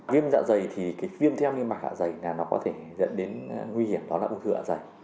viêm dạ dày thì cái viêm theo như mạng dạ dày là nó có thể dẫn đến nguy hiểm đó là ung thư dạ dày